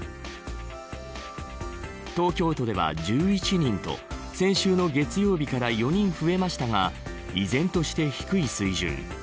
東京都では１１人と先週の月曜日から４人増えましたが依然として低い水準。